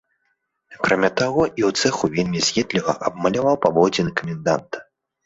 Акрамя таго, і ў цэху вельмі з'едліва абмаляваў паводзіны каменданта.